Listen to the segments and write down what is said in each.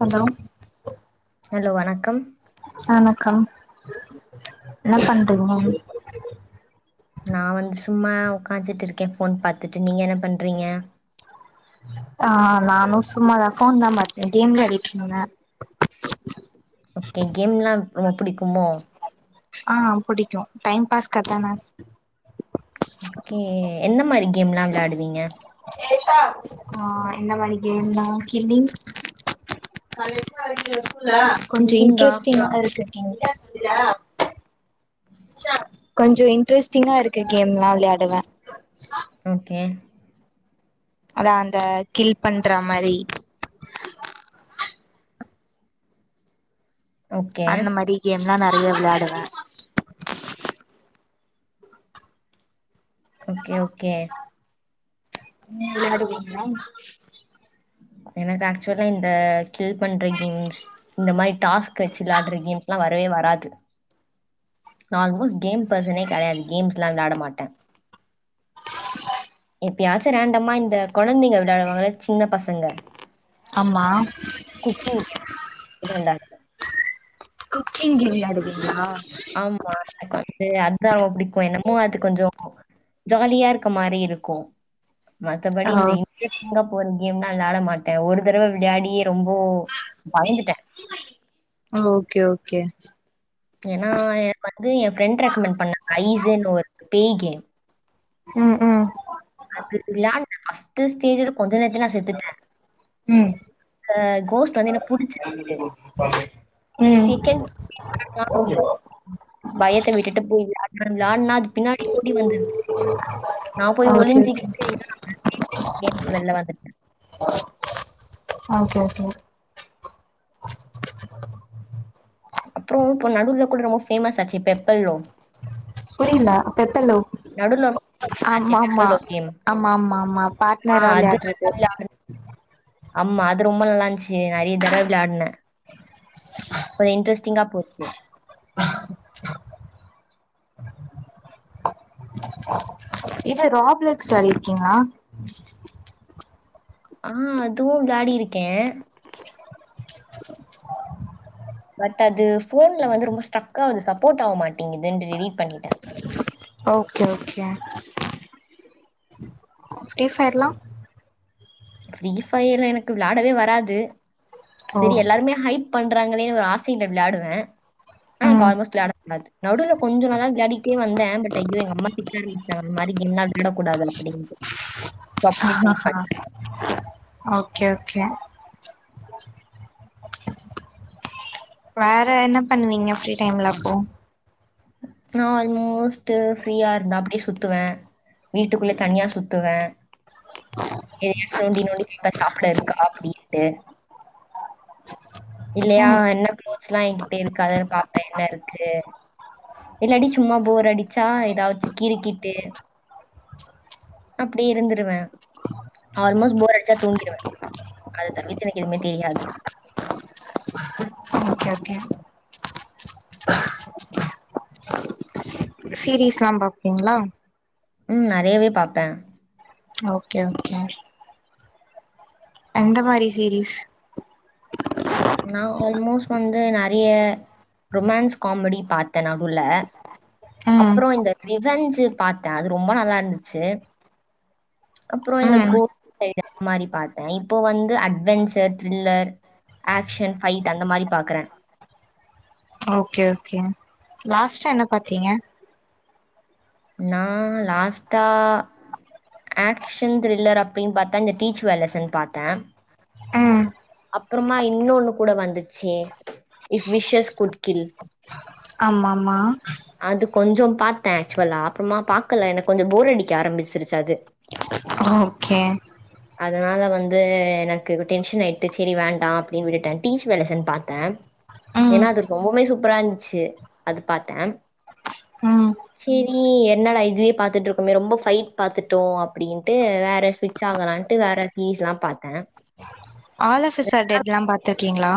Hello hello வணக்கம் வணக்கம் என்ன பண்றீங்க நா வந்து சும்மா உக்காச்சிட்டு இருக்கே ஃபோன் பாத்துட்டு நீங்க என்ன பண்றீங்க ஆ நானு சும்மாதா ஃபோன் தா பாத்தே கேம் வெளையாடிருந்தேங்க ஓகே கேம் னா ரொம்ப பிடிக்குமோ ஆ புடிக்கும் டைம் பாஸ் க்கு அதான ஓகே என்ன மாரி கேம் ல்லா வெளாடுவீங்க ஆ என்ன மணக்கி என்ன கில்லிங் கொஞ்சோ கில்லிங்கா? இன்ட்ரெஸ்டிங்காவு இருக்கு இன்ட்ரெஸ்ட்டு இல்லையா கொஞ்சோ இன்டர்ஸ்ட்டிங்கா இருக்க கேம்லா வெளையாடுவே ஓகே அதா அந்த கில் பண்ற மாரி ஓகே. அந்த மாரி கேம் ல்லா நெறைய வெளாடுவே ஓகே ஓகே நீங்க விளையாடு வீங்கலா எனக்கு ஆக்சுவலா இந்த கில் பண்ற கேம்ஸ் இந்த மாரி டாஸ் கட்சு வெளாடுற கேம்ஸ் ல்லா வரவே வராது நு ஆல்மோஸ்ட் கேம் பெர்சனே கெடையாது கேம்ஸ்லா வெளாட மாட்டே எப்பயாச்சு ரேண்டமா இந்த கொழந்தைங்க வெளாடுவாங்கள சின்ன பசங்க ஆமா குக்கிங் கேம் இது ரன்டான் குக்கிங் கேம் விளையாடுவீங்களா ஆமா எனக்கு வந்து அதுதா ரொம்ப பிடிக்கு என்னமோ அது கொஞ்சோ ஜாலியா இருக்க மாரி இருக்கு மத்தபடி ஆ இந்த இன் இன்ட்ரெஸ்டிங்கா போற கேம்னா வெளையாட மாட்டே ஒரு தடவ வெளையாடியே ரொம்போ பயந்துட்டே ஓகே ஓகே ஏனா எனக் வந்து எ ஃப்ரெண்ட் ரெக்கமெண்ட் பண்ணா ஐஸேன்னு ஒரு பேய் கேம் ம் ம் அது வெளாண்டு ஃபஸ்ட்டு ஸ்டேஜ்ல கொஞ்ச நேரத்திலே செத்துட்டே ம் அ கோஸ்ட்டு வந்து என்ன புடிச்சிருக்கு செகண்ட் நான் ரொம்ப ம் பயத்த விட்டுட்டு போய் [inaudible] விளாட்னா அது பின்னாடி ஓடி வந்துருது நா போயி ஓகே ஓகே ஒளிஞ்சுக்கிட்டு [inaudible] வெள்ல வந்துட்டே ஓகே ஓகே அப்றோ இப்ப நடுல கூட ரொம்ப பேமஸ் ஆச்சு பெப்பல்லோ புரிய்ல அப்ப எத்தன் லவ் நடுவுல ரொம்ப ஆச்சு ஆமாமா பெப்பல்லோ கேம். ஆமாமாமா ஆ பாட்னரா விளையாட்றது ஆம்மா அது ரொம்ப நல்லா இருந்துச்சு நெறைய தடவ வெளையாட்னே ஒரு இன்ட்ரஸ்டிங்கா போச்சு இது ராப்லெக்ஸ் விளாடிருக்கீங்களா ஆ அதுவு விளாடி இருக்கே பட் அது ஃபோன்ல வந்து ரொம்ப ஸ்டக் ஆகுது சப்போட் ஆவ மாட்டிங்கதுன்டு டிலிட்டு பண்ணிட்டே ஓகே ஓகே ஃப்ரீ ஃபயர்லா ஃப்ரீ ஃபயர்ல எனக்கு விளாடவே வராது ஓ சேரி எல்லாருமே ஹைப் பண்றாங்களேன் ஒரு ஆசைல விளாடுவே ஆ ம் கால்மோஸ்ட் விளாட வராது நடுல கொஞ்ச நாளா விளாடிட்டே வந்தே பட் ஐயோ எங்க அம்மா திட்றாங் அந்த மாரி கேம்லா விளாடக்கூடாது அப்டின்ட்டு ஓகே ஓகே வேற என்ன பண்ணுவீங்க ஃப்ரீ டைம்ல அப்போ நா ஆல்மோஸ்ட் ஃப்ரீயா இருந்தா அப்டியே சுத்துவே வீட்டுக்குள்ளே தனியா சுத்துவே எதையாச்சு நோண்டி நோ ண்டி [inaudible] சாப்ட இருக்கா அப்டின்ட்டு இல்லயா ம் என்ன [inaudible] ஸ்லா எங்கிட்ட இருக்கா [inaudible] பாப்பே என்ன இருக்கு இல்லாடி சும்மா போறடிச்சா எதாச்சு கிறுகீட்டு அப்டி இருந்துருவே ஆல்மோஸ்ட் போர் அடிச்சா தூங்கிருவே அது தவவித்து எனக்கு எதுமே தெரியாது ஓகே ஓகே சீரீஸ்ல்லா பாப்பிங்களா ம் நெறையவே பாப்பே ஓகே ஓகே எந்த மாரி சீரீஸ் நா ஆல்மோஸ்ட் வந்து நெறைய ரொமான்ஸ் காமெடி பாத்தே நடுல ம் அப்ற இந்த ரிவெஞ்சு பாத்தே அது ரொம்ப நல்லா இருந்துச்சு அப்ற இந்த ம் கோ [inaudible] சைடு அந்த மாரி பாத்தே இப்போ வந்து அட்வெஞ்சர் த்ரில்லர் ஆக்ஷன் ஃபைட் அந்த மாரி பாக்குறே ஓகே ஓகே லாஸ்ட என்ன பாத்தீங்க நா லாஸ்ட்டா ஆக்ஷன் த்ரில்லர் அப்டின் பாத்தா இந்த டீச் வேலசன் பாத்தே ம் அப்றமா இன்னொன்னு கூட வந்துச்சு இஃப் விஷஸ் குட் கில் ஆமா ஆமா அது கொஞ்சோ பாத்தே ஆக்சுவ்லா அப்றமா பாக்கல எனக்கு கொஞ்ச போர் அடிக்க ஆரம்பிச்சிருச்சு அது ஓகே அதனால வந்து எனக்கு இப்ப டென்ஷன் ஆயி ட்டு சேரி வேண்டா அப்டின்னு விட்டுட்டே டீஸ் வெலசல் பாத்தே ம் ஏனா அது ரொம்பவுமே சூப்பரா இருந்ச்சு அது பாத்த ம் சேரி என்னடா இதுவே பாத்துட்டு இருக்கோமே ரொம்ப ஃபைட் பாத்துட்டோ அப்டின்ட்டு வேற சி ச்சாங்கலான்ட்டு வேற சீரிஸ்லா பாத்த ஆல் ஆஃப் அஸ் ஆர் டெட்லா பாத்துருக்கீங்ளா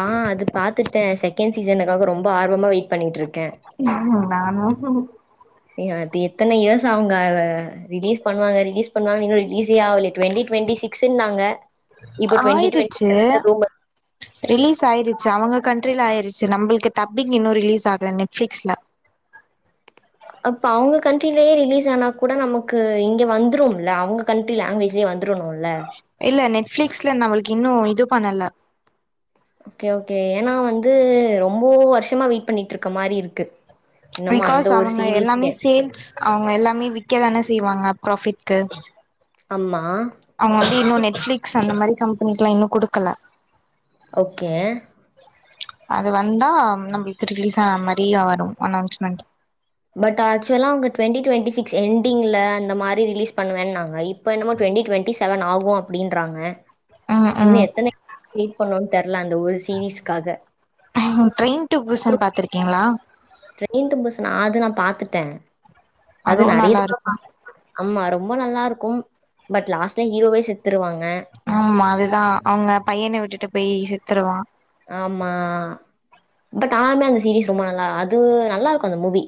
ஆ அது பாத்துட்ட செகண்ட் சீசனுக்காக ரொம்ப ஆர்வமா வெயிட் பண்ணிட்டுருக்கே ம் நானு ஏங்க இப்ப எத்தன இயர்ஸ் ஆவுங்க ரிலீஸ் பண்ணுவாங்க ரிலீஸ் பண்ணுவாங்குறே ரிலீஸே ஆவேல டுவெண்டி டுவெண்டி சிக் சின்னாங்க ஆயிருச்சு ரூமர். ரிலீஸ் ஆயிருச்சு அவங்க கண்ட்ரில ஆயிருச்சு நம்மளுக்கு டப்பிங் இன்னு ரிலீஸ் ஆகல நெட்ஃப்ளிக்ஸ்ல அப்போ அவங்க கண்ட்ரிலயே ரிலீஸ் ஆனா கூட நமக்கு இங்க வந்துரும்ல அவங்க கண்ட்ரி லாங்குவேஜ்லேயு வந்துரனூல இல்ல நெட்ஃப்ளிக்ஸ்ல நம்மளுக்கு இன்னு இது பண்ணல ஓகே ஓகே ஏனா வந்து ரொம்போ வருஷமா வெயிட் பண்ணிட்டு இருக்க மாரி இருக்கு இன்னமும் அந்த பிகாஸ் ஒரு அவங்க எல்லாமே சீரிஸ்க்கே. சேல்ஸ் அவங்க எல்லாமே விக்கதானே செய்வாங்க ப்ராபிட்க்கு அம்மா அவங்க வந்து இன்னு நெட்ஃப்ளிக்ஸ் அந்த மாரி கம்பெனிக்லா இன்னு குடுக்கல ஓகே அது வந்தா நம்மளுக்கு ரிலீஸ் ஆன மாரியா வரு அனௌன்ஸ்மெண்ட் பட் ஆக்சுவலா அங்க டுவெண்டி டுவெண்டி சிக்ஸ் என்டிங்ல இந்த மாரி ரிலீஸ் பண்ணுவேன்னாங்க இப் பென்னமோ டுவெண்டி டுவெண்டி செவன் ஆகு அப்டின்றாங்க ம் இன்னு ம் எத்தன [inaudible] வெயிட் பண்ணோனு தெர்ல அந்த ஒரு சீரீஸ்க்காக ட்ரெயின் டு பூசன் பாத்துருக்கீங்களா ட்ரெயின் டூ பூஸன் அது நா பாத்துட்டே அது அதுவு நெறைய நல்லா தடவ இருக்கும் [inaudible] ஆமா ரொம்ப நல்லா இருக்கும் பட் லாஸ்ட்ல ஹீரோவே செத்துருவாங்க ஆமா அதுதா அவுங்க பையன விட்டுட்டு போய் செத்துருவா ஆமா பட் ஆறுமே அந்த சீரீஸ் ரொம்ப நல்லா அது நல்லாருக்கு அந்த மூவி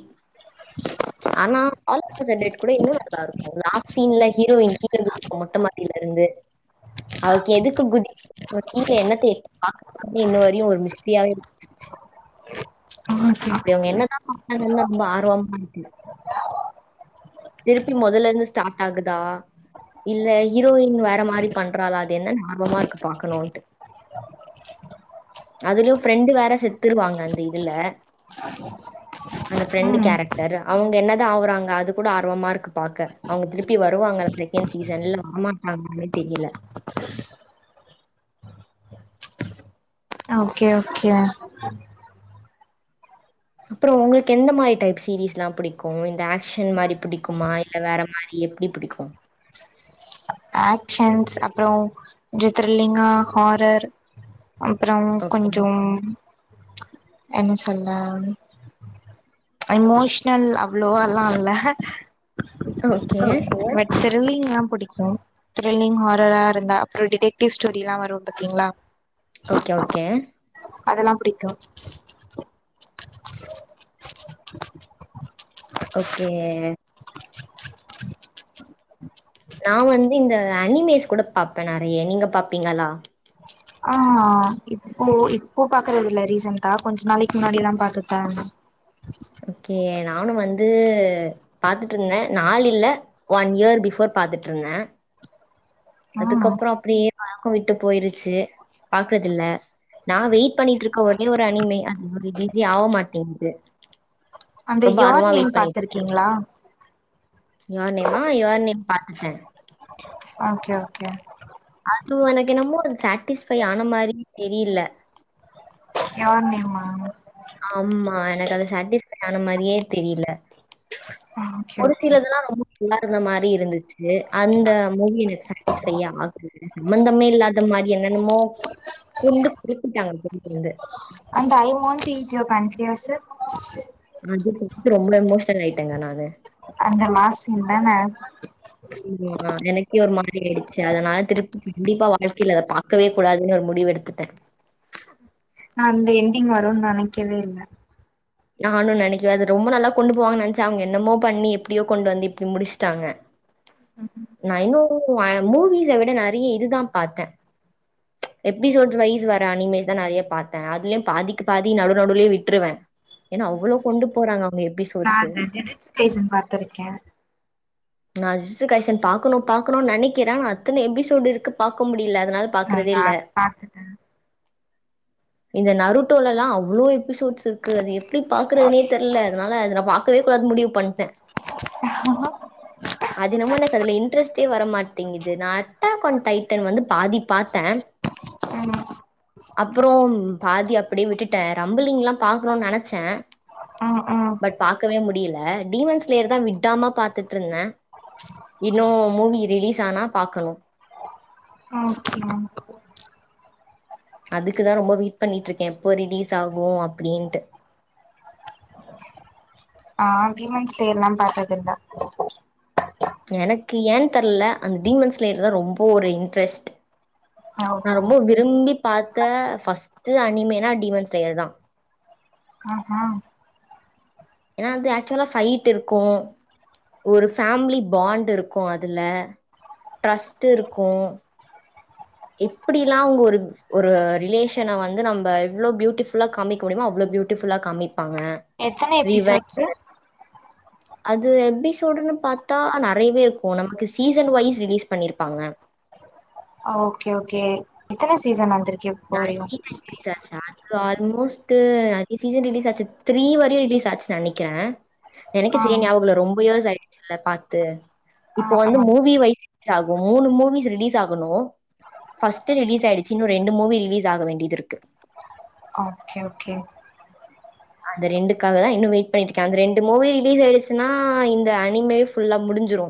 ஆனா all of us are dead கூட இன்னு நல்லாருக்கு லாஸ்ட் சீன்ல ஹீரோயின் கீழ குதிப்பா மொட்ட மாடில இருந்து அவக்கு எதுக்கு குதி [inaudible] கீழ என்னத்த எட் [inaudible] இன்ன வரையு ஒரு மிஸ்டியாவே இரு ஓகே அப்டி அவுங்க என்னதா [inaudible] ரொம்ப ஆர்வமா இருக்கு திருப்பி மொதல்ல இருந்து ஸ்டார்ட் ஆகுதா இல்ல ஹீரோயின் வேற மாரி பண்றாலா அது என்னனு ஆர்வமா இருக்கு பாக்கணுன்ட்டு அதுலயு ஃப்ரெண்டு் வேற செத்துருவாங்க அந்த இதுல [inaudible] அந்த ஃப்ரெண்ட் ம் கேரக்டர் அவுங்க என்னதா ஆவுறாங்க அது கூட ஆர்வமா இருக்கு பாக்க அவுங்க திருப்பி வருவாங்கல செகண்ட் சீசன் வரமாட்டாங்களானே தெரில ஓகே ஓகேயா அப்பறோ உங்களுக் எந்த மாரி டைப் சீரிஸ் எல்லா புடிக்கு இந்த ஆக்ஷன் மாரி புடிக்குமா இல் ல வேற மாரி எப்டி புடிக்கும் ஆகஷன்ஸ் அப்பறோ கொஞ்சொ த்திர்லிங்கா ஹாரர் அப்பறம் ஓகே. கொஞ்சம் என்ன சொல்ல எமோஷ்னல் அவ்ளோவால்லா இல்ல ஓகே எனக்கு த்ர்லிங்லா புடிக்கு த்ரில்லிங் ஹாரரா இருந்தா அப்பறோ டிடக்டிவ் ஸ்டோரில்லா வரும் பாத்தீங்களா ஓகே ஓகே அதல்லா புடிக்கு ஓகே நா வந்து இந்த அனிமேஸ் கூட பாப்ப நெறைய நீங்க பாப்பீங்களா ஆ இப்போ இப்போ பாக்குறது இல்ல ரீசண்டா கொஞ்ச நாளைக்கு முன்னாடில்லா பாத்துட்டு தா இருந்த ஓகே நானு வந்து பாத்துட்ருந்த நாள் இல்ல ஒன் இயர் பிஃபோர் பாத்துட்ருந்த ஆ அதுக்கப்பறோ அப்டியே பழக்கோ விட்டு போய்ருச்சி பாக்குறதுல்ல நா வெய்ட் பண்ணிட்ருக்க ஒரே ஒரு அனிமை அது ஒரு இதி ஆக மாட்டேங்குது அந்த ரொம்ப யார் ஆர்வமா நேம் வெயிட் பாத்துருக்கீங்ளா யார் நேமா யார் நேம் பாத்துட்ட ஓகே ஓகே அது எனக்கு என்னமோ சட்டிஸ்பை ஆன மாரியே தெரில யார் நேமா ஆம்மா எனக்கு அது சட்டிஸ்பை ஆன மாரியே தெரில ஓகே ஒரு ஓகே சிலதெல்லா ரொம்ப நல்லா இருந்த மாரி இருந்துச்சு அந்த மூவி எனக்கு சட்டிஸ்பைய ஆகு சம்மந்தமே இல்லாத மாரி என்னென்னமோ கொண்டு குறிப்பிட்டாங்க [inaudible] இருந்து அந்த ஐ மோன் டீ ஜோ கண்டின்யஸ்சு அது போ [inaudible] ரொம்ப எமோஷ்னல் ஆய்ட்டங்க நானு அந்த மாசிம் தான ஆ எனக்கே ஒரு மாரி ஆய்டுச்சி அதனால திருப்பி கண்டிப்பா வாழ்க்கைல அத பா க்கவே கூடாதுன்னு ஒரு முடிவு எடுத்துட்ட நா அந்த எண்டிங் வருன் நெனைக்கவே இல்ல நானு நெனைக்குவ அது ரொம்ப நல்லா கொண்டு போவாங்கனா நென்ச்சா அவங்க என்னமோ பண்ணி எப்டியோ கொண்டு வந்து இப்டி முடிச்சுட்டாங்க [inaudible] நா இன்னு அ மூவிஸ விட நறைய இதுதா பாத்த எபிசோட்ஸ் வைஸ் வர அனிமேஷ் தா நறைய பாத்த அதுலயு பாதிக்கு பாதி நடு நடுலேயே விட்ருவ ஏன்னா அவ்ளோ கொண்டு போறாங்க அவங்க எப் மம் ஹையர் எஜூகேஷன் பாத்திருக்க நா விசுகைசன் பாக்கணு பாக்கணு நெனைக்கிற நா அத்தன எபிசோடு இருக்கு பாக்க முடில அதனால ஆ நா பாக்குறதேல்ல அது பாத்துட்டே இந்த நருட்டோலல்லா அவ்ளோ எபிசோட்ஸ் இருக்கு அது எப்டி பாக்குறதுனே தெர்ல அதனால அத நா பாக்கவே கூடாதுன் முடிவு பண்ட ஆ ஆஹா அது என்னமோ எனக்கு அதுல இன்ட்ரெஸ்ட்டே வரமாட்டேங்குது நா அட்டக் அன் டைட்டன் வந்து பாதி பாத்த ஆமா அப்புறோ பாதி அப்டி விட்டுட்ட ரம்புலிங்லா பாக்கணுன் நெனச்ச ம் ம் பட் பாக்கவே முடியல டீமான்ஸ்லேயர் தா விடாம பாத்துட்ருந்த இன்னோ மூவி ரிலீஸ் ஆனா பாக்கணு பாக்லா அதுக்கு தா ரொம்ப வீட் பண்ணிட்ருக்கே எப்போ ரிலீஸ் ஆகும் அப்டின்ட்டு ஆ வீமன்ஸ் ஸ்டேல்லா பாத்ததுல்ல எனக்கு ஏன் தெர்ல அந்த டீமன்ஸ்லயர்தா ரொம்ப ஒரு இன்ட்ரெஸ்ட் நா ஓஹோ ரொம்ப விரும்பி பாத்த ஃபர்ஸ்டட் அனிமேன்னா டிமன்ஸ் டேயர் தா அ ஆ ஏன்னா வந்து ஆக்சுவலா ஃபைட் இருக்கு ஒரு ஃபேமிலி பாண்ட் இருக்கும் அதுல ட்ரஸ்ட் இருக்கும் எப்பிடில்லா உங்க ஒரு ஒரு ரிலேஷன வந்து நம்ம எவ்ளோ பியூட்டிஃபுல்லா காமிக்க முடியுமோ அவ்ளோ பியூட்டிஃபுல்லா காமிப்பாங்க எத்தன ரிவன் எபிசோட்ஸ்சு அது எபிசோடுன்னு பாத்தா நறையவே இருக்கும் நமக்கு சீசன் வைஸ் ரிலீஸ் பண்ணியிருப்பாங்க ஓக்கே ஓக்கே எத்தன சீசன் வந்திருக்கு இப்போ வரையு நாளக்கி தா ரிலீஸ் ஆச்சா இது ஆல்மோஸ்ட்டு அஞ்சு சீசன் ரிலீஸ் ஆச்சு த்ரீ வரையு ரிலீஸ் ஆச்சு நெனைக்கிறே எனக்கே ஆ சரியா ஞாபகம்ல்ல ரொம்ப இயர்ஸ் ஆயிடுச்சுல்ல பாத்து ஆ இப்ப வந்து ஆ மூவி வய்ஸ் ரிலீஸ் ஆகும் மூணு மூவிஸ் ரிலீஸ் ஆகணு ஃபர்ஸ்ட் ரிலீஸ் ஆய்டுச்சு இன்னு ரெண்டு மூவி ரிலீஸ் ஆக வேண்டியது இருக்கு ஓக்கே ஓக்கே அந்த ரெண்டுக்காக தா இன்னு வெயிட் பண்ணிட்ருக்கே அந்த ரெண்டு மூவி ரிலீஸ் ஆயிடுச்சுனா இந்த அனிமே ஃபுல்லா முடிஞ்சிரு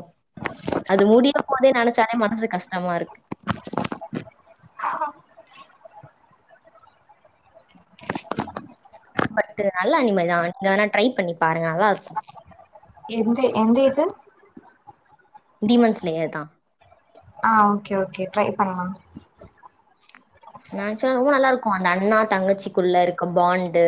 அது முடிய போதே நினைச்சாலே மனசு கஷ்டமாருக்கு பட் நல்ல அனிமைதா வேணா ட்ரை பண்ணி பாருங்க நல்லாருக்கு எந்த எந்த இது டிமன்ஸ்லேயர் தா ஆ ஓக்கே ஓக்கே ட்ரை பண்லா நனச்சா ரொம்ப நல்லாருக்கும் அந்த அண்ணா தங்கச்சிக்குள்ள இருக்க பாண்டு